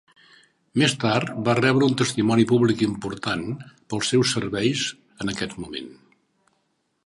Més tard va rebre un testimoni públic important pels seus serveis en aquest moment.